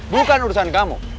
bukan urusan kamu